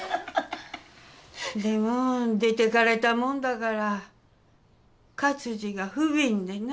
でも出てかれたもんだから勝二がふびんでな。